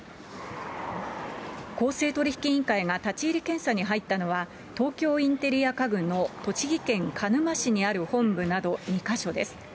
公正取引委員会が立ち入り検査に入ったのは、東京インテリア家具の栃木県鹿沼市にある本部など２か所です。